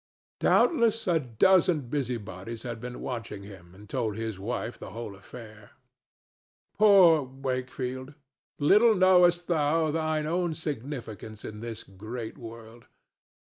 Doubtless a dozen busybodies had been watching him and told his wife the whole affair. Poor Wakefield! little knowest thou thine own insignificance in this great world.